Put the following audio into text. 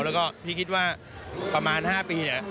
แล้วก็พี่คิดว่าประมาณ๕ปีเนี่ย